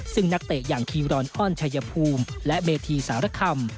ซึ่งนักเตะอย่างคีรอนอ้อนชัยภูมิและเมธีสารคำ